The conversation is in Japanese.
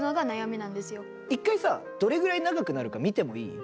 一回さどれぐらい長くなるか見てもいい？